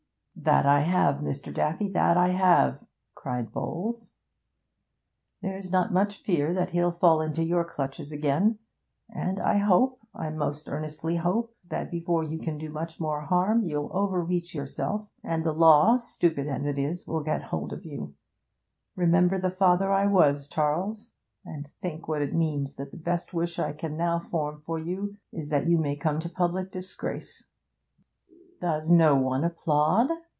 'That I have, Mr. Daffy; that I have!' cried Bowles. 'There's not much fear that he'll fall into your clutches again. And I hope, I most earnestly hope, that before you can do much more harm, you'll overreach yourself, and the law stupid as it is will get hold of you. Remember the father I was, Charles, and think what it means that the best wish I can now form for you is that you may come to public disgrace.' 'Does no one applaud?'